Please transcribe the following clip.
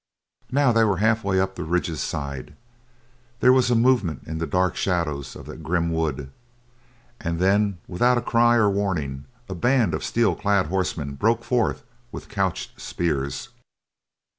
Now they were halfway up the ridge's side. There was a movement in the dark shadows of the grim wood, and then, without cry or warning, a band of steel clad horsemen broke forth with couched spears.